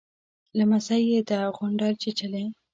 _لمسۍ يې ده، غونډل چيچلې.